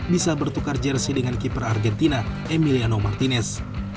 bisa bertukar jersi dengan keeper argentina emiliano martinez